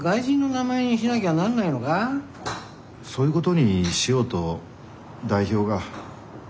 そういうことにしようと代表が。